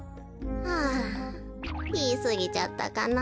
はぁいいすぎちゃったかな。